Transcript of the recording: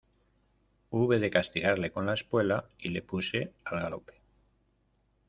hube de castigarle con la espuela, y le puse al galope.